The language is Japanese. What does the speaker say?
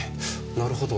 なるほど。